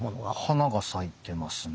花が咲いてますね。